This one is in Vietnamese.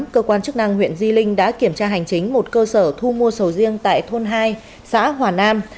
cơ quan chức năng huyện di linh đã kiểm tra hành chính một cơ sở thu mua sầu riêng tại thôn hai xã hòa nam